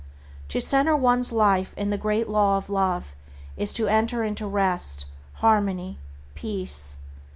To center one's life in the Great Law of Love is to enter into rest, harmony, peace.